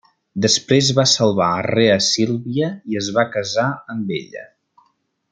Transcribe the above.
Després va salvar a Rea Sílvia i es va casar amb ella.